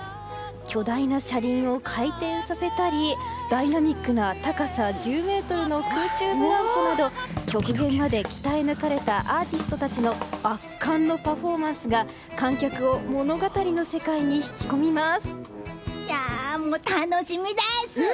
巨大な車輪を回転させたりダイナミックな高さ１０ｍの空中ブランコなど極限まで鍛え抜かれたアーティストたちの圧巻のパフォーマンスが楽しみです！